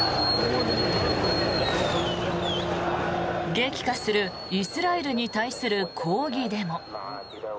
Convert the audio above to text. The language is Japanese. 激化するイスラエルに対する抗議デモ。